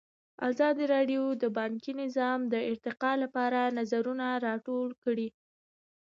ازادي راډیو د بانکي نظام د ارتقا لپاره نظرونه راټول کړي.